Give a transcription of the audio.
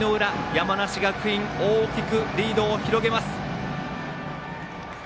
山梨学院大きくリードを広げます。